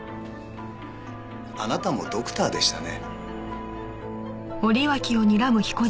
あなたもドクターでしたね。